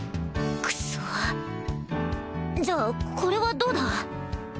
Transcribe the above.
クソッじゃあこれはどうだ？